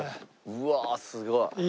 うわっすごい。